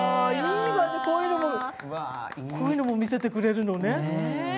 こういうのもこういうのも見せてくれるのね。